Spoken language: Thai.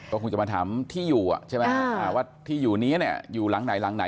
ก็คงจะมาถามที่อยู่ใช่ไหมว่าที่อยู่นี้เนี่ยอยู่หลังไหนหลังไหน